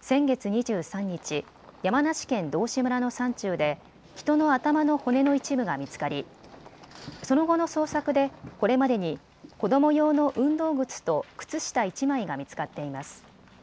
先月２３日、山梨県道志村の山中で人の頭の骨の一部が見つかりその後の捜索でこれまでに子ども用の運動靴と靴下１枚が見つかっています。